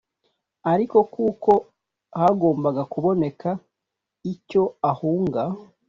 ariko kuko hagombaga kuboneka icyo ahunga